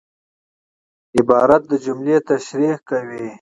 عبارت د جملې تشریح کوي.